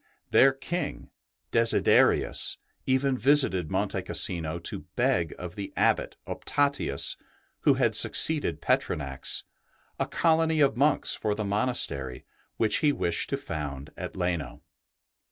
Their King, Desiderius, even visited Monte Cassino to beg of the Abbot Optatius, who had suc ceeded Petronax, a colony of monks for the monastery which he wished to found at Leno.